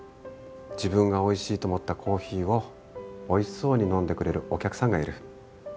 自分がおいしいと思ったコーヒーをおいしそうに飲んでくれるお客さんがいる。